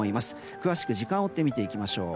詳しく時間を追って見ていきましょう。